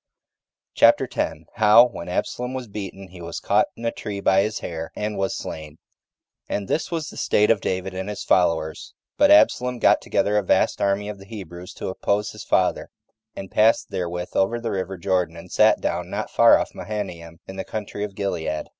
CHAPTER 10. How, When Absalom Was Beaten, He Was Caught In A Tree By His Hair And Was Slain 1. And this was the state of David and his followers: but Absalom got together a vast army of the Hebrews to oppose his father, and passed therewith over the river Jordan, and sat down not far off Mahanaim, in the country of Gilead.